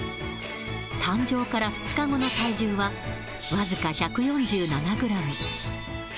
誕生から２日後の体重は、僅か１４７グラム。